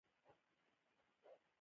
ښځې په کلیوالي اقتصاد کې رول لري